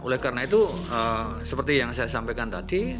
oleh karena itu seperti yang saya sampaikan tadi